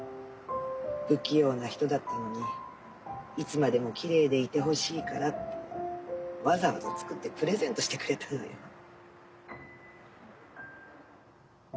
不器用な人だったのにいつまでもきれいでいてほしいからってわざわざ作ってプレゼントしてくれたのよ。